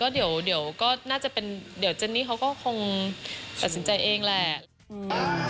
เดี๋ยวเจนนี่เขาก็คงตัดสินใจเองแหละ